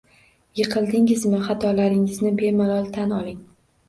Yiqildingizmi, xatolaringizni bemalol tan oling.